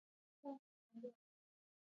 د افغانستان جغرافیه کې بامیان ستر اهمیت لري.